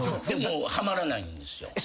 でもハマらないんですよ。